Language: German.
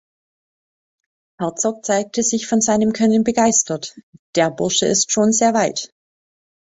Herzog zeigte sich von seinem Können begeistert: „Der Bursche ist schon sehr weit.